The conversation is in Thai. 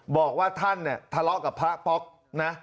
บอกว่าท่านเนี่ยทะเลาะกับพระป๊อกนะ